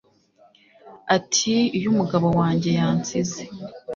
Ati Iyo umugabo wanjye yansize